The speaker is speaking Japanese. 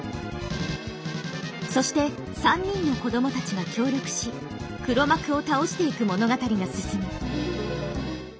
そして３人の子供たちが協力し黒幕を倒していく物語が進む。